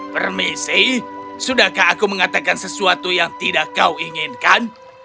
permisi sudahkah aku mengatakan sesuatu yang tidak kau inginkan